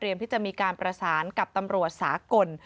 ที่จะมีการประสานกับตำรวจสากล